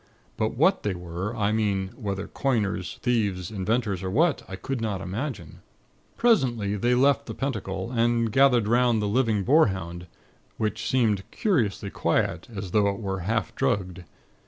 But what they were, I mean whether coiners, thieves, inventors, or what, I could not imagine. "Presently, they left the Pentacle, and gathered 'round the living boarhound, which seemed curiously quiet, as though it were half drugged.